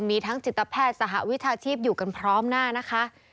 มีทั้งจิตแพทย์สหวิชาชีพอยู่กันพร้อมหน้านะคะ